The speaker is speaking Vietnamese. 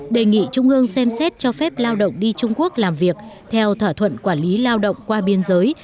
đề nghị trung ương xem xét cho phép lao động đi trung quốc làm việc theo thỏa thuận quản lý lao động qua biên giới